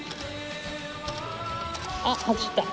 あっ走った。